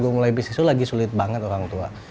gue mulai bisnis itu lagi sulit banget orang tua